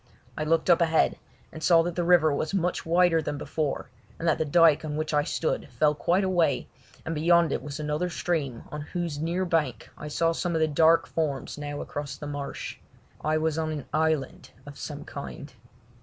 I looked up ahead and saw that the river was much wider than before, and that the dyke on which I stood fell quite away, and beyond it was another stream on whose near bank I saw some of the dark forms now across the marsh. I was on an island of some kind.